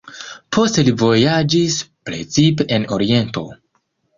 Poste li vojaĝis, precipe en Oriento.